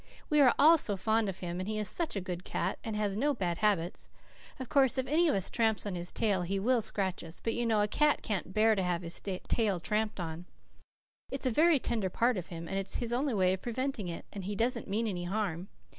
We are all so fond of him, and he is such a good cat, and has no bad habits. Of course, if any of us tramps on his tail he will scratch us, but you know a cat can't bear to have his tail tramped on. It's a very tender part of him, and it's his only way of preventing it, and he doesn't mean any harm.